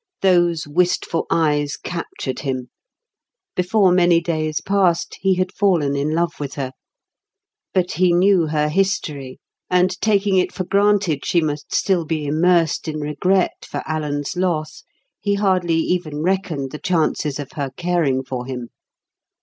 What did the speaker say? Those wistful eyes captured him. Before many days passed he had fallen in love with her. But he knew her history; and, taking it for granted she must still be immersed in regret for Alan's loss, he hardly even reckoned the chances of her caring for him.